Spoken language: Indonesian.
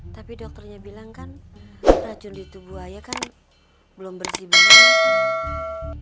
tapi dokternya bilang kan racun di tubuh ayah kan belum bersih banget